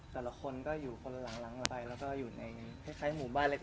สัตว์ลูกก็อยู่กระหล่างไปแล้วอยู่ในเหมือนหมู่บ้านเล็ก